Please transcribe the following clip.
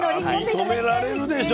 認められるでしょ